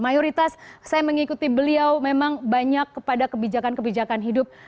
mayoritas saya mengikuti beliau memang banyak kepada kebijakan kebijakan hidup